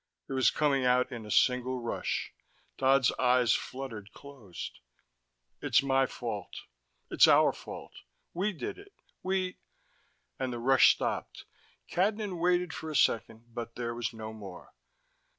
It was coming out in a single rush: Dodd's eyes fluttered closed. "It's my fault. It's our fault. We did it. We...." And the rush stopped. Cadnan waited for a second, but there was no more.